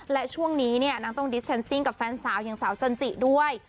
และช่วงนี้เนี่ยนางต้องดิสแนนซิ่งกับแฟนสาวอย่างสาวจันจิด้วย